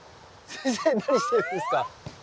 先生何してるんですか？